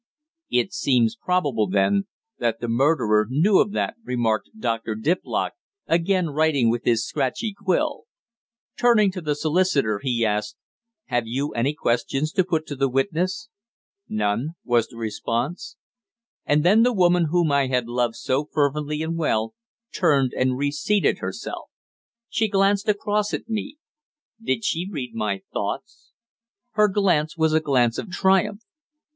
"It seems probable, then, that the murderer knew of that," remarked Dr. Diplock, again writing with his scratchy quill. Turning to the solicitor, he asked, "Have you any questions to put to the witness?" "None," was the response. And then the woman whom I had loved so fervently and well, turned and re seated herself. She glanced across at me. Did she read my thoughts? Her glance was a glance of triumph.